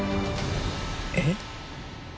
えっ？